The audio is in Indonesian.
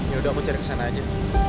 yaudah aku cari kesana aja